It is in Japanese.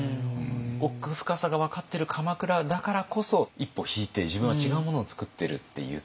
奥深さが分かってる鎌倉だからこそ一歩引いて自分は違うものを作ってるって言った。